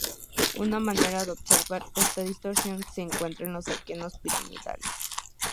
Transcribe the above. Una manera de observar esta distorsión se encuentra en los alquenos piramidales.